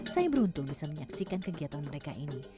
saya beruntung bisa menyaksikan kegiatan mereka ini